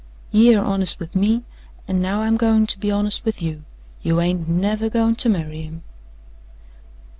"Ye air honest with me, an' now I'm goin' to be honest with you. You hain't never goin' to marry him."